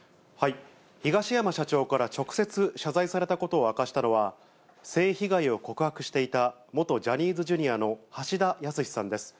東山社長から直接謝罪されたことを明かしたのは、性被害を告白していた、元ジャニーズＪｒ．の橋田康さんです。